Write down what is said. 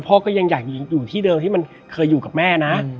พ่อก็ยังอยากอยู่ที่เดิมที่มันเคยอยู่กับแม่นะ